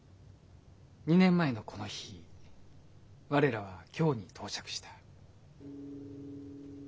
２年前のこの日我らは京に到着した。